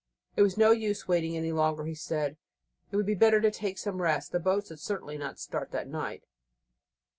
It was no use waiting any longer, he said, it would be better to take some rest; the boat would certainly not start that night.